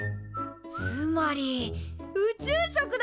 つまり宇宙食だ！